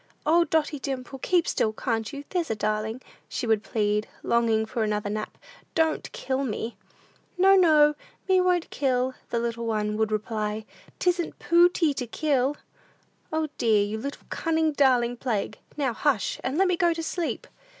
"O, Dotty Dimple, keep still; can't you? There's a darling," she would plead, longing for another nap; "don't kill me." "No, no; me won't kill," the little one would reply; "'tisn't pooty to kill!" "O, dear, you little, cunning, darling plague, now hush, and let me go to sleep!"